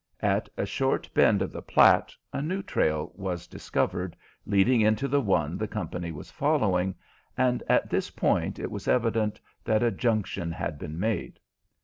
At a short bend of the Platte a new trail was discovered leading into the one the company was following, and at this point it was evident that a junction had been made.